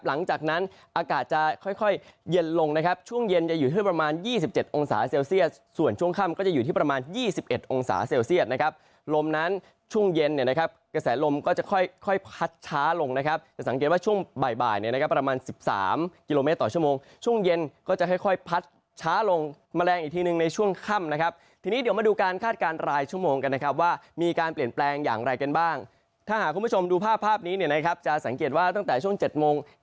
หลังจากนั้นอากาศจะค่อยเย็นลงนะครับช่วงเย็นจะอยู่ที่ประมาณ๒๗องศาเซลเซียดส่วนช่วงค่ำก็จะอยู่ที่ประมาณ๒๑องศาเซลเซียดนะครับลมนั้นช่วงเย็นเนี่ยนะครับกระแสลมก็จะค่อยพัดช้าลงนะครับจะสังเกตว่าช่วงบ่ายเนี่ยนะครับประมาณ๑๓กิโลเมตรต่อชั่วโมงช่วงเย็นก็จะค่อยพัดช้าลงแมลง